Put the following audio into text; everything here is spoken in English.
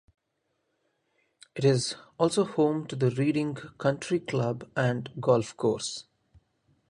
It is also home to the Reading Country Club and Golf Course.